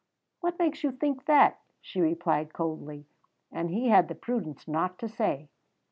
"What makes you think that?" she replied coldly, and he had the prudence not to say.